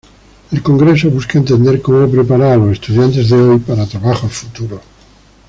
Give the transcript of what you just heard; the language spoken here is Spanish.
El congreso busca entender cómo preparar a los estudiantes de hoy para trabajos futuros.